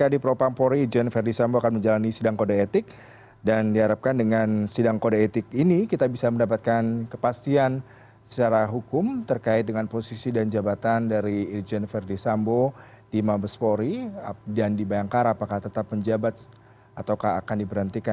dengan sidang kode etik ini kita bisa mendapatkan kepastian hukum secara etik